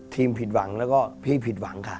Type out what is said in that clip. ผิดหวังแล้วก็พี่ผิดหวังค่ะ